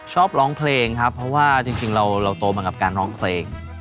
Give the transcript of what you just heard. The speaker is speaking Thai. ชอบร้องเพลงครับเพราะว่าจริงเราโตมากับการร้องเพลง